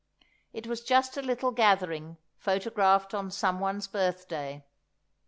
It was just a little gathering photographed on someone's birthday.